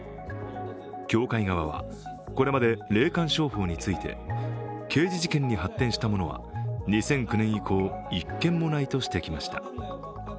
教会側は、これまで霊感商法について刑事事件に発展したものは２００９年以降、１件もないと指摘してきました。